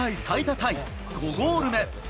タイ５ゴール目。